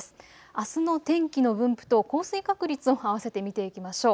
あすの天気の分布と降水確率、あわせて見ていきましょう。